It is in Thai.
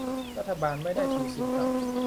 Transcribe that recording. รัฐบาลไม่ได้ถือสิทธิ์ครับ